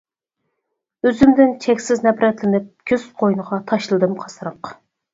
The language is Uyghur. ئۆزۈمدىن چەكسىز نەپرەتلىنىپ، كۈز قوينىغا تاشلىدىم قاسراق.